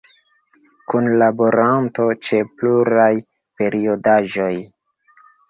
Kunlaboranto ĉe pluraj periodaĵoj.